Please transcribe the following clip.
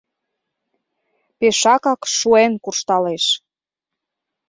Пешакак шуэн куржталеш.